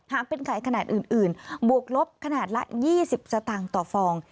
หากเป็นขายขนาดอื่นบวกลบขนาดละ๒๐สตต่อฟอง